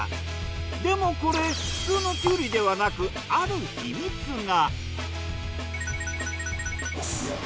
でもこれ普通のキュウリではなくある秘密が。